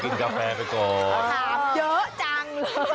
กินกาแฟไปก่อน